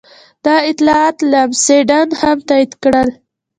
دا اطلاعات لمسډن هم تایید کړل.